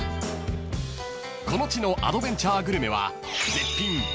［この地のアドベンチャーグルメは］